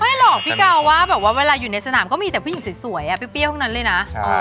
หรอกพี่กาวว่าแบบว่าเวลาอยู่ในสนามก็มีแต่ผู้หญิงสวยเปรี้ยวทั้งนั้นเลยนะ